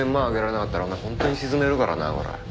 上げられなかったらお前本当に沈めるからなコラ。